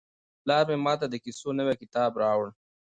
پلار مې ماته د کیسو نوی کتاب راوړ.